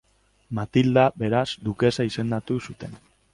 Matilda, beraz, dukesa izendatu zuten.